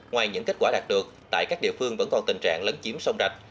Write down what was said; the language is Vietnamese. ngoài những kết quả đạt được tại các địa phương vẫn còn tình trạng lấn chiếm sông rạch